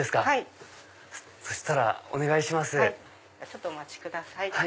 はいお待ちください。